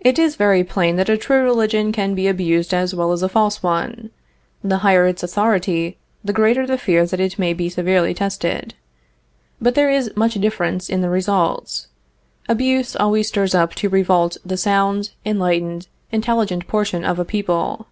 It is very plain that a true religion can be abused as well as a false one. The higher its authority the greater the fear that it may be severely tested. But there is much difference in the results. Abuse always stirs up to revolt the sound, enlightened, intelligent portion of a people.